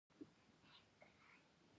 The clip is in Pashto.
ودرېدل ښه دی.